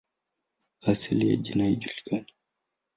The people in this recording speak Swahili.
Asili ya jina haijulikani.